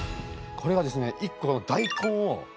これはですね